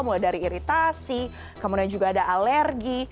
mulai dari iritasi kemudian juga ada alergi